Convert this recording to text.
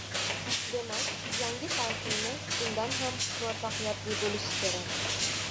demak, yangi talqini undan ham muvaffaqiyatli bo‘lishi kerak…